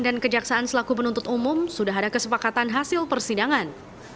dan kejaksaan selaku penuntut umum sudah ada kesepakatan hasil persidangan